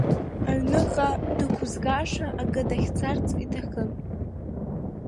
Аҩныҟа дықәызгашаз акы дахьӡарц иҭахын.